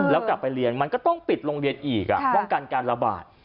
แล้วกลับไปเรียนมันก็ต้องปิดโรงเรียนอีกป้องกันการระบาด